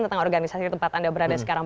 tentang organisasi tempat anda berada sekarang